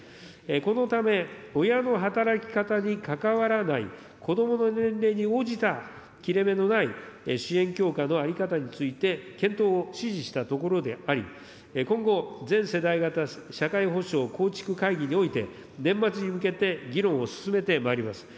このため、親の働き方に関わらない、子どもの年齢に応じた切れ目のない支援強化の在り方について、検討を指示したところであり、今後、全世代型社会保障構築会議において、年末に向けて議論を進めてまいります。